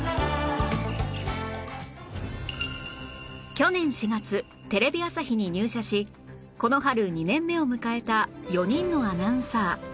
去年４月テレビ朝日に入社しこの春２年目を迎えた４人のアナウンサー